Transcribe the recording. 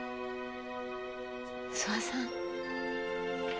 諏訪さん。